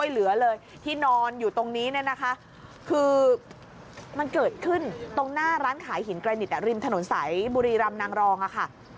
โอ้โฮโอ้โฮโอ้โฮโอ้โฮโอ้โฮ